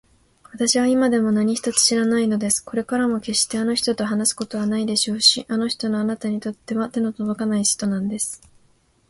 わたしは今でも何一つ知らないのです。これからもけっしてあの人と話すことはないでしょうし、あの人はわたしにとっては手のとどかない人なんです。